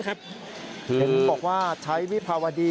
คุณภูริพัฒน์บุญนิน